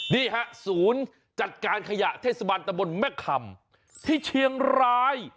นี่ฮะศูนย์จัดการขยะเทศบาลตะบนแม่คำที่เชียงราย